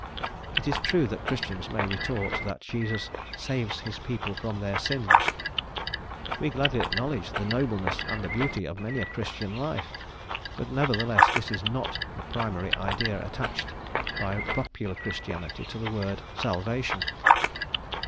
It is true that Christians may retort that Jesus "saves his people from their sins;" we gladly acknowledge the nobleness and the beauty of many a Christian life, but nevertheless this is not the primary idea attached by popular Christianity to the word "salvation."